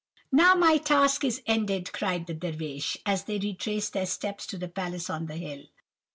"'Now my task is ended,' cried the Dervish, as they retraced their steps to the palace on the hill.